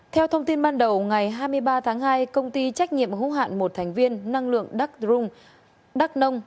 theo thông tin ban đầu ngày hai mươi ba tháng hai công ty trách nhiệm hữu hạn một thành viên năng lượng đắk nông